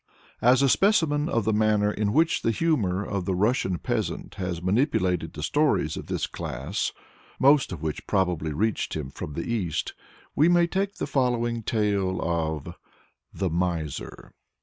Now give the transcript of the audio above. As a specimen of the manner in which the humor of the Russian peasant has manipulated the stories of this class, most of which probably reached him from the East, we may take the following tale of THE MISER.